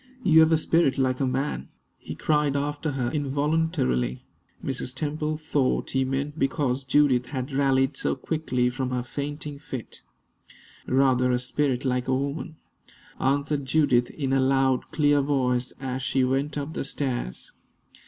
"You have a spirit like a man!" he cried after her, involuntarily. Mrs. Temple thought he meant because Judith had rallied so quickly from her fainting fit. "Rather a spirit like a woman!" answered Judith, in a loud, clear voice, as she went up the stairs.